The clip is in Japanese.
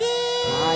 はい。